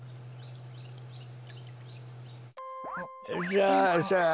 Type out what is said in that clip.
さあさあ